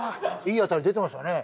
いい当たり出てましたよね？